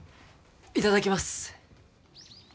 いただきます